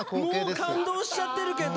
もう感動しちゃってるけど。